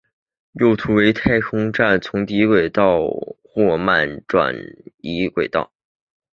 右图为将太空船从低轨道的霍曼转移轨道。